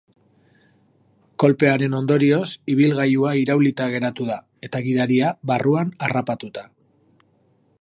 Kolpearen ondorioz, ibilgailua iraulita geratu da, eta gidaria barruan harrapatuta.